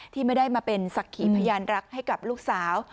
ที่ไม่ได้มาเป็นศักดิ์ขีพยานรักให้กับลูกสาว